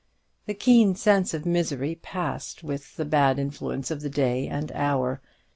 The keen sense of misery passed with the bad influence of the day and hour.